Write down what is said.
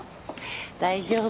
大丈夫？